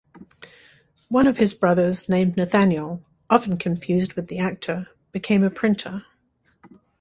One of his brothers named Nathaniel, often confused with the actor, became a printer.